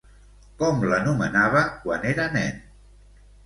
Com l'anomenava quan era nen?